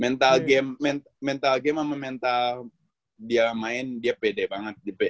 mental game mental game sama mental dia main dia pede banget